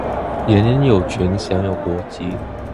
人人有权享有国籍。